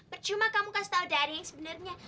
percuma kamu kasih tahu dari sebenarnya